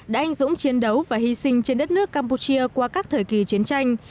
đã anh dũng chiến đấu và hy sinh trên đất nước campuchia qua các thời kỳ chiến tranh